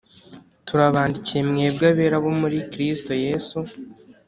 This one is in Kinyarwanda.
Turabandikiye mwebwe abera bo muri kristo yesu